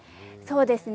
そうですね。